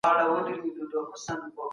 عزت ګټل کلونه وخت او زیار غواړي.